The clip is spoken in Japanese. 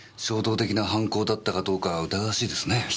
衝動的な犯行だったかどうか疑わしいですね。